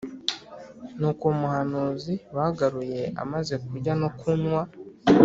Nuko uwo muhanuzi bagaruye amaze kurya no kunywa